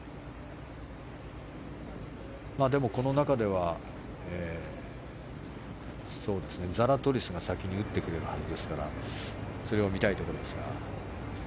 でも、この中ではザラトリスが先に打ってくるはずですからそれを見たいところですが。